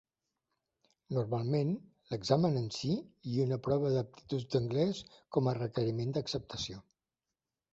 Normalment, l'examen en sí i una prova d'aptituds d'anglès com a requeriment d'acceptació.